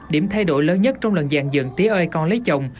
điểm thay đổi lớn nhất trong lần dàn dựng tí ơi con lấy chồng